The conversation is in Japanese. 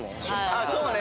ああそうね。